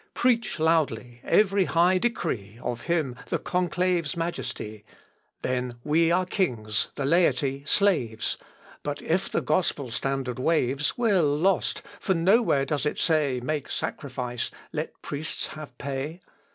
Preach loudly, every high decree, Of him, the conclave's majesty. Then, we are kings, the laity slaves: But if the gospel standard waves We're lost; for no where does it say, Make sacrifice, let priests have pay.